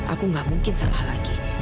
aku gak mungkin salah lagi